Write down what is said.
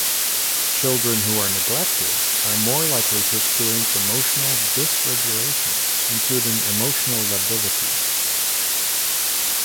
Children who are neglected are more likely to experience emotional dysregulation, including emotional lability.